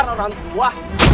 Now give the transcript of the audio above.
keluar orang tua